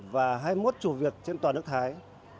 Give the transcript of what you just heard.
và hai mươi một chùa việt trên toàn nước thái